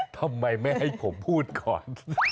ทำไมไม่ให้ผมพูดก่อน